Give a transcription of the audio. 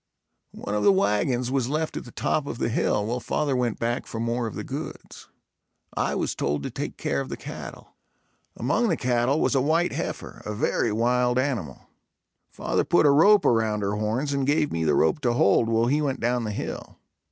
One of the wagons was left at the top of the hill while father went back for more of the goods. I was told to take care of the cattle. Among the cattle was a white heifer, a very wild animal. Father put a rope around her horns and gave me the rope to hold, while he went down the hill.